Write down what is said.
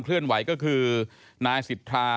เลื่อนไหวก็คือนายสิทธา